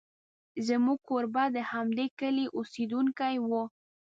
زموږ کوربه د همدې کلي اوسېدونکی و.